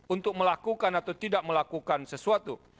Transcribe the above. untuk melakukan atau tidak melakukan sesuatu